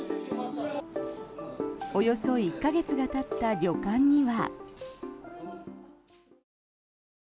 およそ１か月がたった旅館には。